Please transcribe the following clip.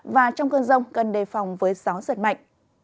và trong cơn rông cần đề phòng với gió giật mạnh